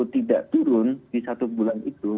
tidak turun di satu bulan itu